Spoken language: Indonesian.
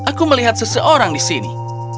aku melihat seseorang di sini